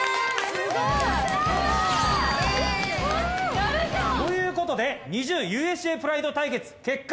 やるじゃん！ということでＮｉｚｉＵＵＳＪプライド対決結果。